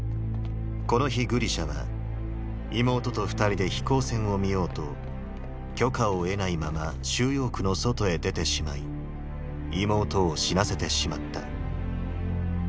この日グリシャは妹と二人で飛行船を見ようと許可を得ないまま収容区の外へ出てしまい妹を死なせてしまった。